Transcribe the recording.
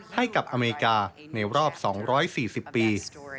ให้กับอเมริกาในรอบ๒๔๐ปี